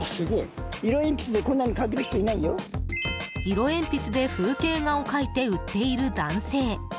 色鉛筆で風景画を描いて売っている男性。